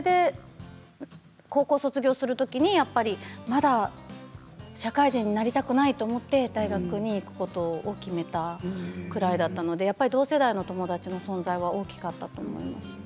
高校を卒業するときにやっぱりまだ社会人になりたくないと思って大学に行くことを決めたくらいだったのでやっぱり同世代の友達の存在は大きかったです。